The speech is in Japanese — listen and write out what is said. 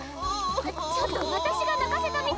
ちょっとわたしがなかせたみたいじゃない。